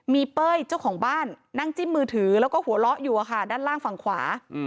มีเป้ยเจ้าของบ้านนั่งจิ้มมือถือแล้วก็หัวเราะอยู่ด้านล่างฝั่งขวา